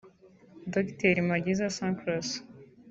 Dogiteri Mageza Sanctus